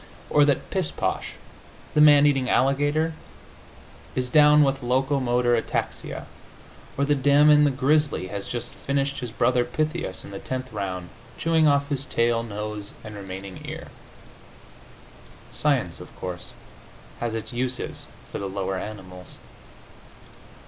Or that Pishposh, the man eating alligator, is down with locomotor ataxia. Or that Damon, the grizzly, has just finished his brother Pythias in the tenth round, chewing off his tail, nose and remaining ear. Science, of course, has its uses for the lower animals.